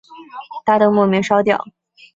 大灯莫名烧掉